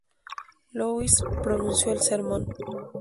Louis pronunció el sermón.